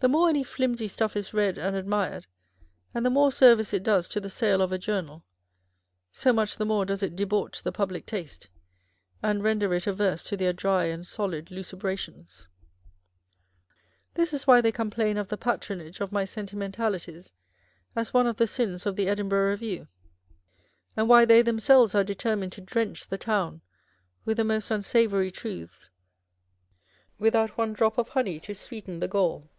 The more any flimsy stuff is read and admired, and the more service it does to the sale of a journal, so much the more does it debauch the public taste, and render it averse to their dry and solid lucubrations. This is why they complain of the patronage of my Sentimentalities as one of the sins of the Edinburgh Review ; and why they themselves are deter mined to drench the town with the most unsavoury truths, without one drop of honey to sweeten the gall.